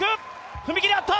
踏み切り合った！